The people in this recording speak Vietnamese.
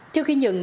theo khi nhận